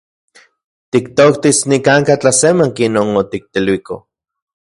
Tiktoktis nikan’ka tlasemanki non otikteluiko.